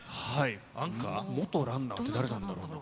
アンカー？元ランナーって誰なんだろう？